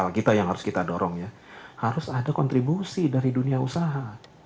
kalau kita yang harus kita dorong ya harus ada kontribusi dari dunia usaha